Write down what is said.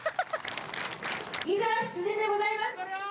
いざ出陣でございます。